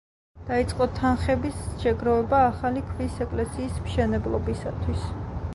დაიწყო თანხების შეგროვება ახალი, ქვის ეკლესიის მშენებლობისათვის.